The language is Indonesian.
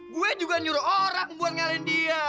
gue juga nyuruh orang buat ngalahin dia